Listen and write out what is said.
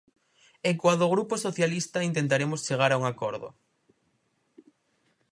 E coa do Grupo Socialista intentaremos chegar a un acordo.